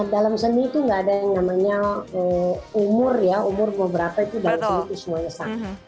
dalam seni itu nggak ada yang namanya umur ya umur gue berapa itu dalam seni itu semuanya sama